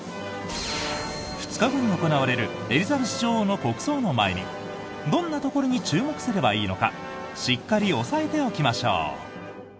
２日後に行われるエリザベス女王の国葬の前にどんなところに注目すればいいのかしっかり押さえておきましょう。